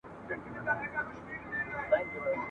مسافرو وو خپل مرګ داسي هېر کړی ..